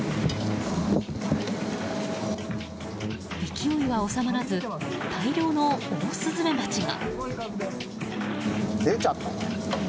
勢いは収まらず大量のオオスズメバチが！